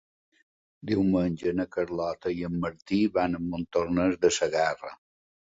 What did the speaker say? Diumenge na Carlota i en Martí van a Montornès de Segarra.